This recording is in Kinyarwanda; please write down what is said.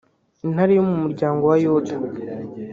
intare yo mu muryango wa Yuda